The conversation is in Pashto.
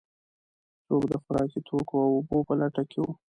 څوک د خوراکي توکو او اوبو په لټه کې و.